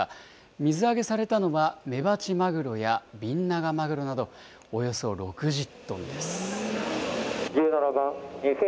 水揚げされたのは、メバチマグロやビンナガマグロなど、およそ６０トンです。